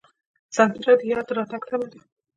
سندره د یار د راتګ تمه ده